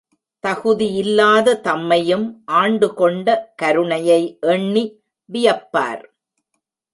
தகுதியில்லாத தம்மையும் ஆண்டுகொண்ட கருணையை எண்ணி வியப்பார்.